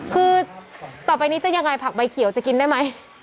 คือต่อไปนี้จะยังไงผักใบเขียวจะกินได้ไหม